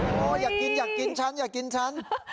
โอ้โหอยากกินอยากกินฉันอยากกินฉัน